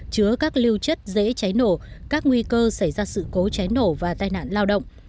chứa các lưu chất dễ cháy nổ các nguy cơ xảy ra sự cố cháy nổ và tai nạn lao động